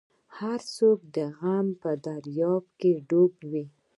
هر څوک د غم په دریا کې ډوب وو.